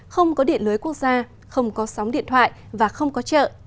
không có điện lưới quốc gia không có sóng điện thoại và không có chợ